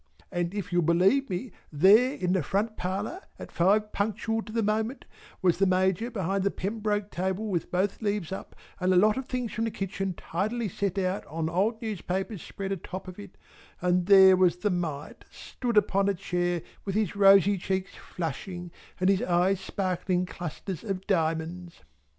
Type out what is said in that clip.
And if you'll believe me there in the front parlour at five punctual to the moment was the Major behind the Pembroke table with both leaves up and a lot of things from the kitchen tidily set out on old newspapers spread atop of it, and there was the Mite stood upon a chair with his rosy cheeks flushing and his eyes sparkling clusters of diamonds.